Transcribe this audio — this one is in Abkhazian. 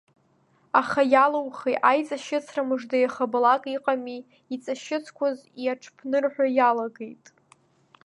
Аха иалаухи, аиҵашьыцра мыжда иахабалак иҟами, иҵашьыцқәоз иаҽԥнырҳәо иалагеит…